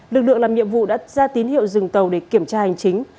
lực lượng làm nhiệm vụ đã ra tín hiệu dừng tàu để kiểm tra hành chính